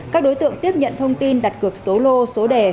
các đối tượng tiếp nhận thông tin đặt cược số lô số đề